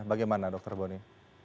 bagaimana dokter boni